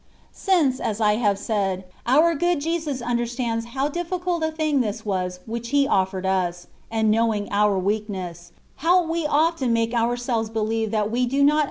Since, as I have said, our good Jesus under stands how difficult a thing this was which He offered us, and knowing our weakness, how we often make ourselves b^eve that we do not un 166 THE WAY OF PERFECTION.